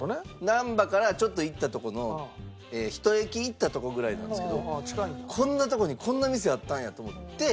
難波からちょっと行ったとこの１駅行ったとこぐらいなんですけどこんなとこにこんな店あったんやと思って。